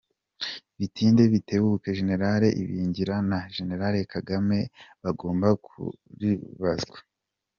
Bitinde bitebuke Général Ibingira na Général Kagame bagomba kulibazwa.